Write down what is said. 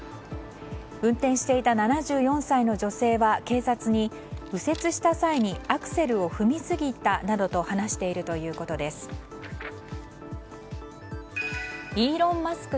運転していた７４歳の女性は警察に右折した際にアクセルを踏みすぎたなどと話しているということです。イーロン・マスク